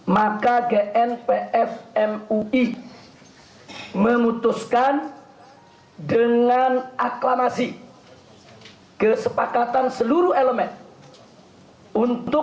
maka gnpf mui memutuskan dengan aklamat